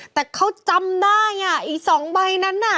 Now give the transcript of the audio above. แต่เขาจำได้อ่ะอีก๒ใบนั้นน่ะ